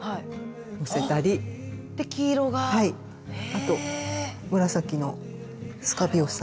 あと紫のスカビオサ。